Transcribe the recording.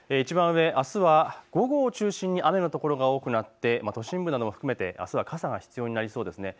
いちばん上、あすは午後を中心に雨の所が多くなって都心部などを含めてあすは傘が必要になりそうです。